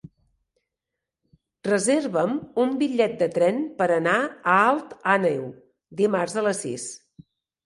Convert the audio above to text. Reserva'm un bitllet de tren per anar a Alt Àneu dimarts a les sis.